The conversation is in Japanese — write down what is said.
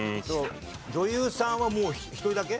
女優さんはもう１人だけ？